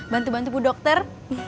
bantu bantu bu dokter